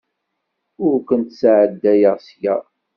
Ur kent-sɛeddayeɣ seg-a.